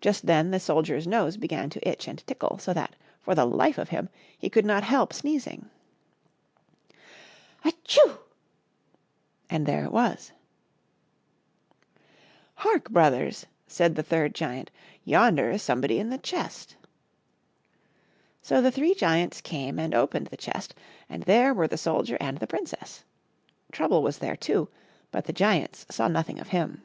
Just then the soldier's nose began to itch and tickle, so that, for the life of him, he could not help sneezing. '* At tchew r* — and there it was. 34 HOW ONE TURNED HIS TROUBLE TO SOME ACCOUNT. •' Hark, brothers !" said the third giant, " yonder is somebody in the chest!" So the three giants came and opened the chest, and there were the soldier and the princess. Trouble was there too, but the giants saw nothing of him.